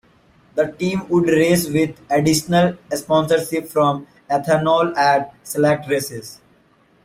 The team would race with additional sponsorship from Ethanol at select races.